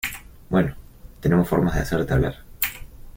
Bueno, tenemos formas de hacerte hablar.